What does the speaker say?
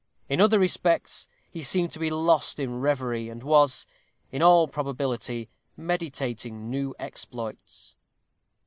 In other respects, he seemed to be lost in reverie, and was, in all probability, meditating new exploits.